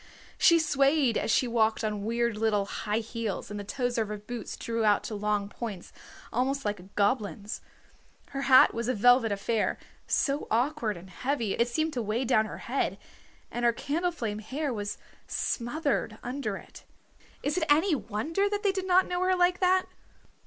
She swayed as she walked on weird little high heels and the toes of her boots drew out to long points, almost like a goblin's. Her hat was a velvet affair, so awkward and heavy it seemed to weigh down her head, and her candleflame hair was smothered under it. Is it any wonder that they did not know her like that!